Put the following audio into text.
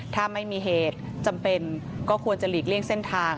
ถ้าไม่มีเหตุจำเป็นก็ควรจะหลีกเลี่ยงเส้นทาง